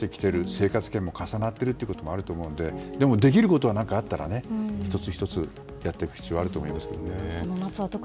生活圏も重なってるということもあると思うのででも、できることが何かあったら１つ１つやっていく必要があると思います。